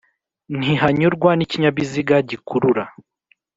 Ntihanyurwa n'ikinyabiziga gikurura